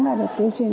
đã được tiêu chuẩn